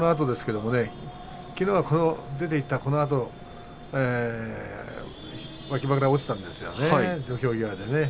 きのうは出ていったこのあと脇腹から落ちたんですよね、土俵際で。